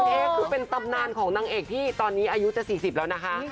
เอ๊คือเป็นตำนานของนางเอกที่ตอนนี้อายุจะ๔๐แล้วนะคะ